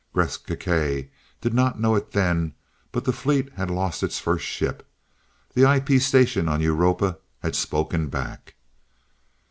Gresth Gkae did not know it then, but the fleet had lost its first ship. The IP station on Europa had spoken back.